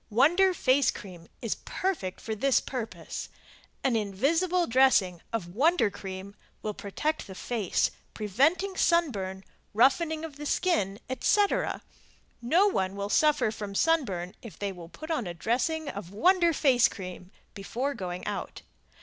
Wonder Face Cream is perfect for this purpose. An invisible dressing of Wonder Cream will protect the face, preventing sunburn, roughening of the skin, etc, No one will suffer from sunburn if they will put on a dressing of Wonder Face Cream before going out.